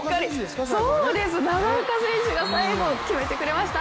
長岡選手が最後決めてくれました。